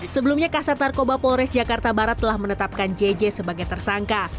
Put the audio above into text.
sebelumnya kasat narkoba polres jakarta barat telah menetapkan jj sebagai tersangka